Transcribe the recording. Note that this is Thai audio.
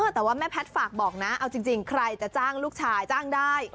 แต่ว่าแม่แพทย์ฝากบอกนะเอาจริงใครจะจ้างลูกชายจ้างได้